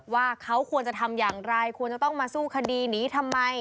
ว่าเขาควรจะทำอย่างไรควรจะต้องมาสู้คดีหนีทำไม